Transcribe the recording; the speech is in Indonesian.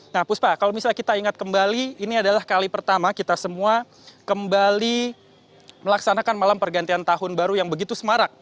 nah puspa kalau misalnya kita ingat kembali ini adalah kali pertama kita semua kembali melaksanakan malam pergantian tahun baru yang begitu semarak